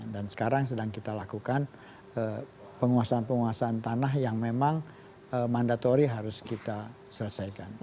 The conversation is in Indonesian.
dan sekarang sedang kita lakukan penguasaan penguasaan tanah yang memang mandatori harus kita selesaikan